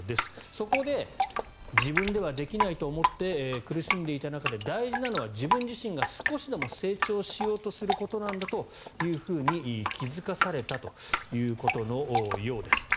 そこで自分ではできないと思って苦しんでいた中で大事なのは自分自身が少しでも成長しようとすることなんだと気付かされたということのようです。